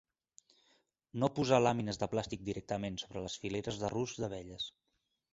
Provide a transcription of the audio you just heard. No posar làmines de plàstic directament sobre les fileres de ruscs d'abelles.